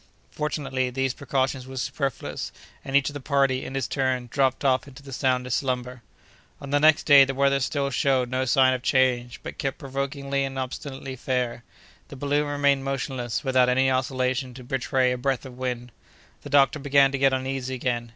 Fortunately, these precautions were superfluous; and each of the party, in his turn, dropped off into the soundest slumber. On the next day the weather still showed no sign of change, but kept provokingly and obstinately fair. The balloon remained motionless, without any oscillation to betray a breath of wind. The doctor began to get uneasy again.